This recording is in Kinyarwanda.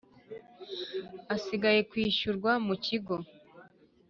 asigaye kwishyurwa mu kigo